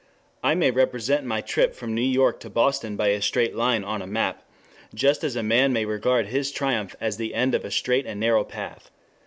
I may represent my trip from New York to Boston by a straight line on a map, just as a man may regard his triumph as the end of a straight and narrow path.